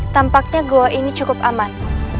tampaknya goa ini cukup aman